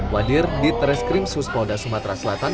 wadir di tereskrim suspoda sumatera selatan